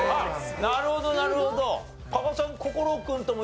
なるほどなるほど。